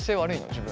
自分。